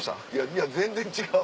いや全然違う。